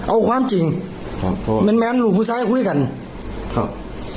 เอาความจริงขอโทษแมนแมนหลุมพูดใสคุยกันครับ